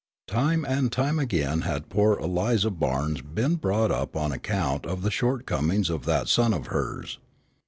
Time and time again had poor Eliza Barnes been brought up on account of the shortcomings of that son of hers.